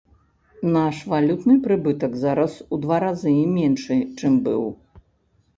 Наш валютны прыбытак зараз у два разы меншы, чым быў.